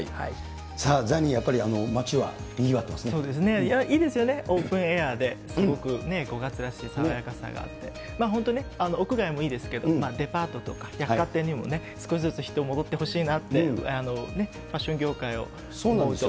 さあ、ザニー、やっぱり、そうですね、いいですよね、オープンエアで、すごく５月らしい爽やかさがあって、本当ね、屋外もいいですけど、デパートとか、百貨店にもね、少しずつ人戻ってほしいなって、ファッション業界を思うと。